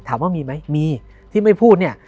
ถามว่ามีไหมมีที่ไม่พูดเนี่ย